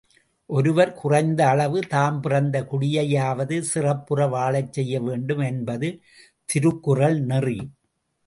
ஒருவர் குறைந்த அளவு தாம் பிறந்த குடியையாவது சிறப்புற வாழச்செய்யவேண்டும் என்பது திருக்குறள் நெறி.